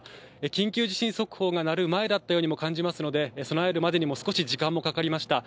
緊急地震速報が鳴る前だったようにも感じますので、備えるまでにも少し時間がかかりました。